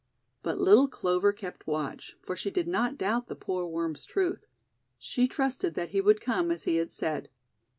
But little Clover kept' watch, for she did not doubt the poor Worm's truth. She trusted that he would come as he had said.